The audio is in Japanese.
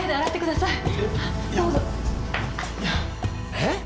えっ！？